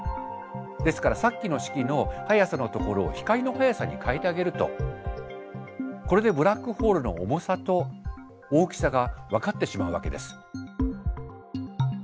ですからさっきの式の速さのところを光の速さに替えてあげるとこれでブラックホールの重さと大きさが分かってしまうわけです。